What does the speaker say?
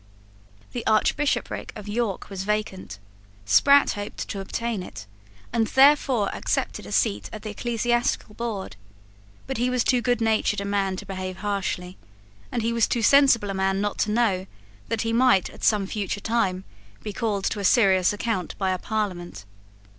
The Archbishopric of York was vacant; Sprat hoped to obtain it, and therefore accepted a seat at the ecclesiastical board: but he was too goodnatured a man to behave harshly; and he was too sensible a man not to know that he might at some future time be called to a serious account by a Parliament.